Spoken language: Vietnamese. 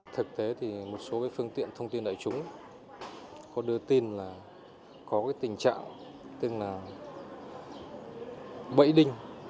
thực tế thì một số phương tiện thông tin đại chúng có đưa tin là có tình trạng tức là bẫy đinh